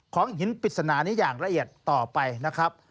ของหินปริศนานี้อย่างละเอียดต่อไปนะครับ